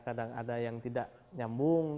kadang ada yang tidak nyambung